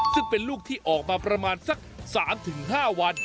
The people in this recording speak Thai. ซึ่งเป็นลูกที่ออกมาประมาณสัก๓๕วัน